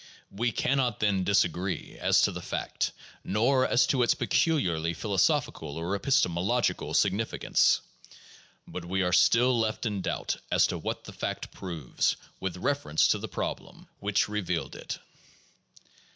We can not, then, disagree as to the fact, nor as to its peculiarly philosophical or epistemological significance. But we are still left in doubt as to what the fact proves with reference to the problem 8 THE JOURNAL OF PHILOSOPHY which revealed it.